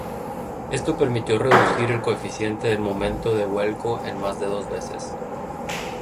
Esto permitió reducir el coeficiente del momento de vuelco en más de dos veces.